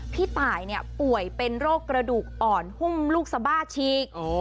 พี่ตายป่วยเป็นโรคกระดูกอ่อนหุ้มลูกสบ้าฉีก